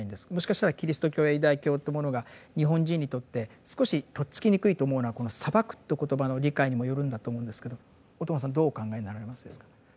もしかしたらキリスト教やユダヤ教というものが日本人にとって少しとっつきにくいと思うのはこの「裁く」という言葉の理解にもよるんだと思うんですけど小友さんどうお考えになられますですか。